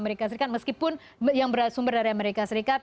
amerika serikat meskipun yang bersumber dari amerika serikat